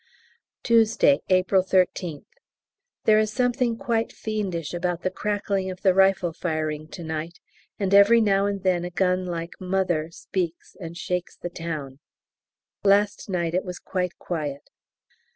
Tuesday, April 13th. There is something quite fiendish about the crackling of the rifle firing to night, and every now and then a gun like "Mother" speaks and shakes the town. Last night it was quite quiet.